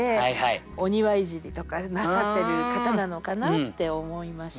お庭いじりとかなさってる方なのかなって思いました。